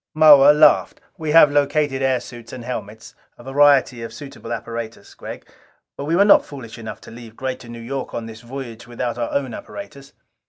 Moa laughed. "We have located air suits and helmets a variety of suitable apparatus, Gregg. But we were not foolish enough to leave Greater New York on this voyage without our own apparatus.